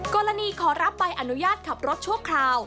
กรณีขอรับใบอนุญาตขับรถชั่วคราว